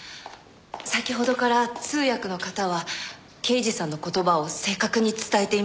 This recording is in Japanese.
先ほどから通訳の方は刑事さんの言葉を正確に伝えていません。